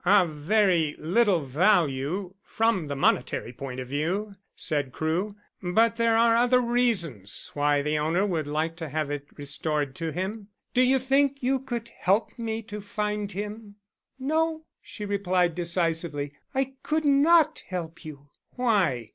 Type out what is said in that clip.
"Of very little value from the monetary point of view," said Crewe. "But there are other reasons why the owner would like to have it restored to him. Do you think you could help me to find him?" "No," she replied decisively. "I could not help you." "Why?"